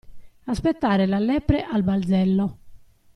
Aspettare la lepre al balzello.